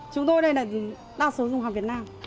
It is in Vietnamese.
chúng tôi đây là đa số dùng hàng việt nam